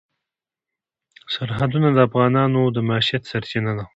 سرحدونه د افغانانو د معیشت سرچینه ده.